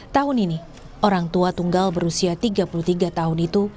tahun ini orang tua tunggal berusia tiga puluh tiga tahun itu